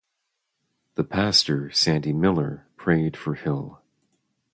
The pastor, Sandy Miller, prayed for Hill.